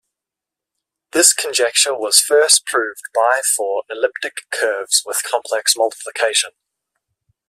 This conjecture was first proved by for elliptic curves with complex multiplication.